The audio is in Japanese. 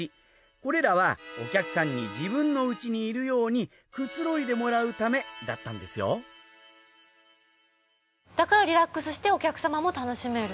これらはお客さんに自分の家にいるようにくつろいでもらうためだったんですよだからリラックスしてお客様も楽しめる。